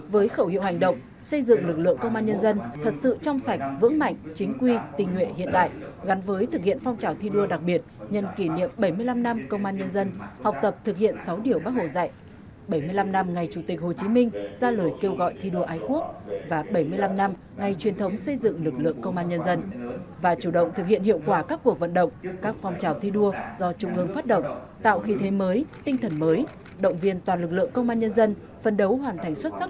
với khẩu hiệu hành động xây dựng lực lượng công an nhân dân thật sự trong sạch vững mạnh chính quy tình nguyện hiện đại gắn với thực hiện phong trào thi đua đặc biệt nhân kỷ niệm bảy mươi năm năm công an nhân dân học tập thực hiện sáu điểu bác hồ dạy bảy mươi năm năm ngày chủ tịch hồ chí minh ra lời kêu gọi thi đua ái quốc và bảy mươi năm năm ngày truyền thống xây dựng lực lượng công an nhân dân và chủ động thực hiện hiệu quả các cuộc vận động các phong trào thi đua do trung ương phát động tạo khí thế mới tinh thần mới động viên toàn lực lượng công an nhân dân phân đấu hoàn thành xuất sắc